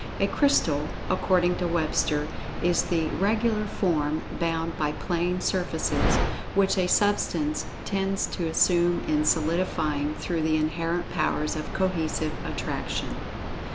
A Crystal, according to Webster,[Pg 54] is "the regular form, bounded by plane surfaces, which a substance tends to assume in solidifying, through the inherent powers of cohesive attraction."